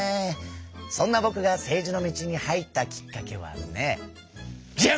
そんなぼくが政治の道に入ったきっかけはねジャン！